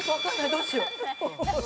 どうしよう？